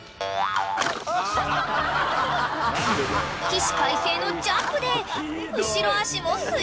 ［起死回生のジャンプで］